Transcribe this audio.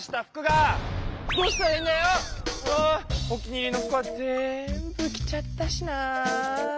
お気に入りの服は全部着ちゃったしな。